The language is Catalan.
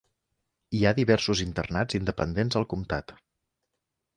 Hi ha diversos internats independents al comtat.